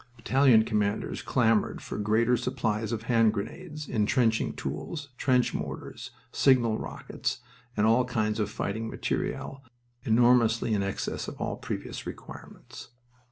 Battalion commanders clamored for greater supplies of hand grenades, intrenching tools, trench mortars, signal rockets, and all kinds of fighting material enormously in excess of all previous requirements.